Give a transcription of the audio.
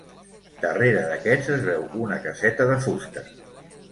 Darrere d'aquests es veu una caseta de fusta.